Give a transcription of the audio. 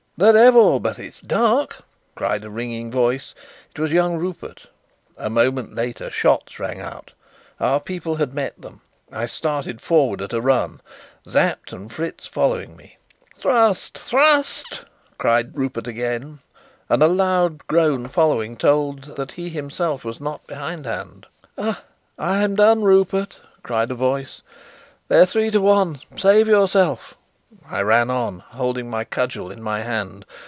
"The devil, but it's dark!" cried a ringing voice. It was young Rupert. A moment later, shots rang out. Our people had met them. I started forward at a run, Sapt and Fritz following me. "Thrust, thrust!" cried Rupert again, and a loud groan following told that he himself was not behind hand. "I'm done, Rupert!" cried a voice. "They're three to one. Save yourself!" I ran on, holding my cudgel in my hand.